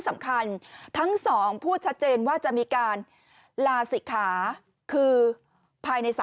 สำคัญทั้ง๒พูดชัดเจนว่าจะมีการลาศิกขาคือภายใน๓